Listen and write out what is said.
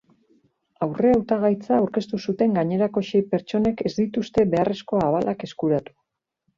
Aurrehautagaitza aurkeztu zuten gainerako sei pertsonek ez dituzte beharrezko abalak eskuratu.